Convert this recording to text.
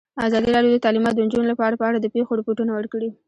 ازادي راډیو د تعلیمات د نجونو لپاره په اړه د پېښو رپوټونه ورکړي.